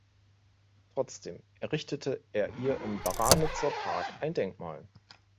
Trotzdem errichtete er ihr im Branitzer Park ein Denkmal.